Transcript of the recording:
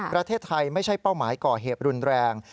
ประเทศไทยไม่ใช่เป้าหมายก่อเหตุรุนแรง